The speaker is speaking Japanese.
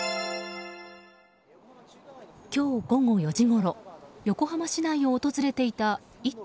今日午後４時ごろ横浜市内を訪れていた「イット！」